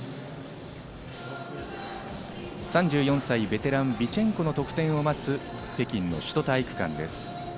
３４歳ベテラン、ビチェンコの得点を待つ北京の首都体育館です。